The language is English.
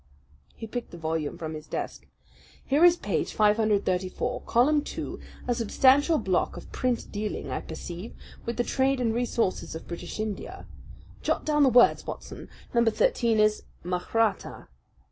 He picked the volume from his desk. "Here is page 534, column two, a substantial block of print dealing, I perceive, with the trade and resources of British India. Jot down the words, Watson! Number thirteen is 'Mahratta.'